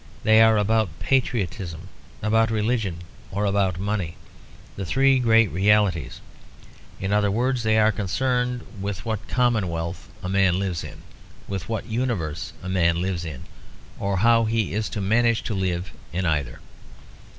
They are about patriotism, about religion, or about money: the three great realities. In other words, they are concerned with what commonwealth a man lives in or with what universe a man lives in or with how he is to manage to live in either.